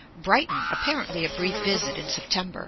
Brighton; apparently a brief visit in September.